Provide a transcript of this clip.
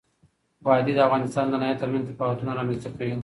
وادي د افغانستان د ناحیو ترمنځ تفاوتونه رامنځ ته کوي.